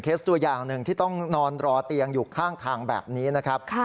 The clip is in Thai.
ตัวอย่างหนึ่งที่ต้องนอนรอเตียงอยู่ข้างทางแบบนี้นะครับ